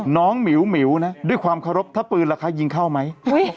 หมิวนะด้วยความเคารพถ้าปืนราคายิงเข้าไหม